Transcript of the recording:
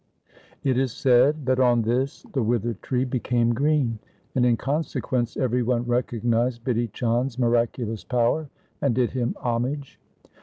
1 It is said that on this the withered tree became green, and in consequence every one recognized Bidhi Chand's miraculous power and did him homage.